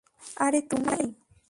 আরে, তুমি!